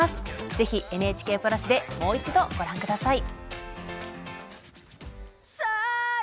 ぜひ、ＮＨＫプラスでもう一度、ご覧ください。